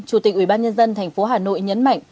chủ tịch ubnd tp hà nội nhấn mạnh